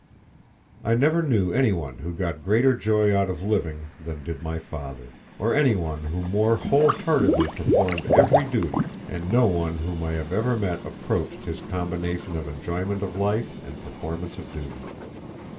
I never knew any one who got greater joy out of living than did my father, or any one who more whole heartedly performed every duty; and no one whom I have ever met approached his combination of enjoyment of life and performance of duty.